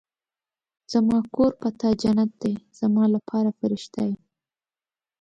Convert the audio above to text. زما کور په تا جنت دی ، زما لپاره فرښته ېې